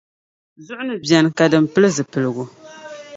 Zuɣu ni beni ka dini pili zuɣupiligu?